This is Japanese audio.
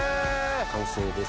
完成です。